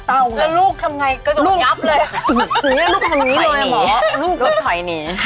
เข้าจมูกลูกเลย